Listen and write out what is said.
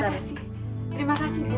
terima kasih terima kasih bu